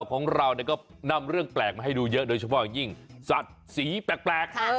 ของเราได้ก็นั่มเรื่องแปลกให้ดูเยอะโดยเฉพาะอย่างยิ่งอันดับสีแปลก